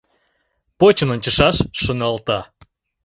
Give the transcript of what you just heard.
«Почын ончышаш», — шоналта.